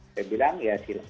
saya bilang ya silahkan